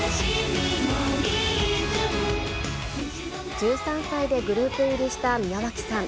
１３歳でグループ入りした宮脇さん。